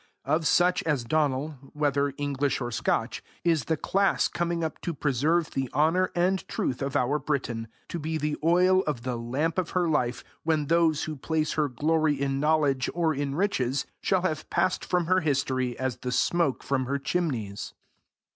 Of such as Donal, whether English or Scotch, is the class coming up to preserve the honour and truth of our Britain, to be the oil of the lamp of her life, when those who place her glory in knowledge, or in riches, shall have passed from her history as the smoke from her chimneys.